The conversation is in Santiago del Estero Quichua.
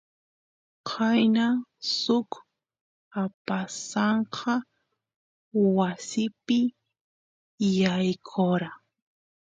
qayna suk apasanka wasipi yaykora